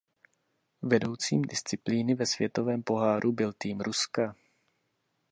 Vedoucím disciplíny ve světovém poháru byl tým Ruska.